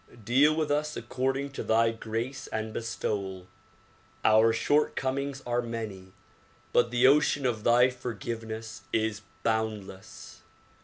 Deal with us according to thy grace and bestowal. Our shortcomings are many but the ocean of thy forgiveness is boundless.